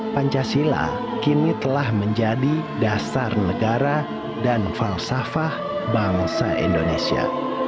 pancasila kini telah menjadi dasar negara dan falsafah bangsa indonesia